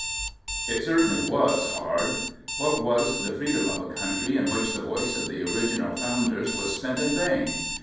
It certainly was hard. What was the freedom of a country in which the voice of the original founders was spent in vain?